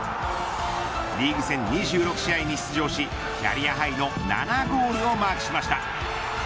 リーグ戦２６試合に出場しキャリアハイの７ゴールをマークしました。